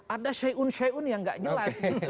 ada syaiun syaiun yang gak jelas